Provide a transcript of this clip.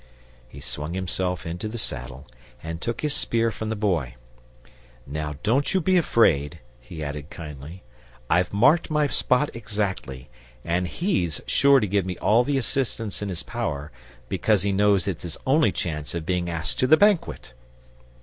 He swung himself into the saddle and took his spear from the Boy. "Now don't you be afraid," he added kindly. "I've marked my spot exactly, and HE'S sure to give me all the assistance in his power, because he knows it's his only chance of being asked to the banquet!"